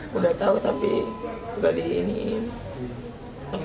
sudah tahu tapi tidak diinginkan